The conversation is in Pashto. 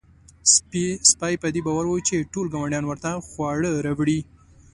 سپی په دې باور و چې ټول ګاونډیان ورته خواړه راوړي.